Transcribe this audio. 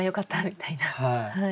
みたいな。